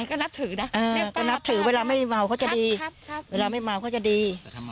ก็นับถือนะก็นับถือเวลาไม่เมาเขาจะดีเวลาไม่เมาเขาจะดี